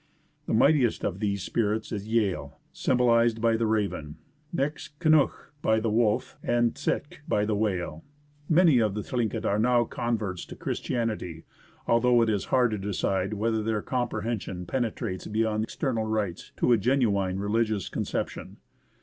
The mightiest of these spirits is Yehl, symbolized by the raven ; next Kanukh, by the wolf; and Tset'kh, by the whale. Many of the Thlinket are now converts to Christian ity, although it is hard to decide whether their com prehension penetrates be yond external rites to a genuine religious conception.